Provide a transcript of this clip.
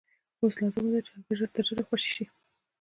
اوس لازمه ده چې هغه ژر تر ژره خوشي شي.